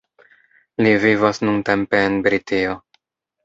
Li vivas nuntempe en Britio.